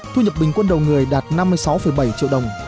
thu nhập bình quân đầu người đạt năm mươi sáu bảy triệu đồng